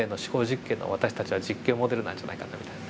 実験の私たちは実験モデルなんじゃないかなみたいな。